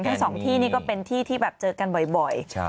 ทั้งสองที่นี่ก็เป็นที่ที่แบบเจอกันบ่อย